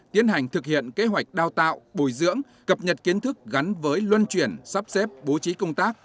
tiến hành thực hiện kế hoạch đào tạo bồi dưỡng cập nhật kiến thức gắn với luân chuyển sắp xếp bố trí công tác